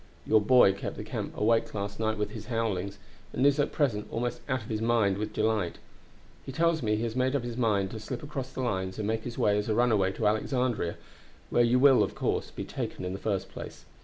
Your boy kept the camp awake last night with his howlings, and is at present almost out of his mind with delight. He tells me he has made up his mind to slip across the lines and make his way as a runaway to Alexandria, where you will, of course, be taken in the first place.